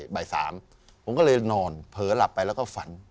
บ่าย๓ผมก็เลยนอนเผลอหลับไปแล้วก็ฝัน